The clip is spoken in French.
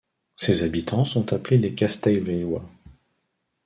Ses habitants sont appelés les Castelvieilhois.